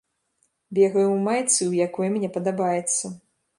Бегаю ў майцы, у якой мне падабаецца.